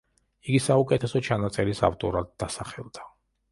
იგი საუკეთესო ჩანაწერის ავტორად დასახელდა.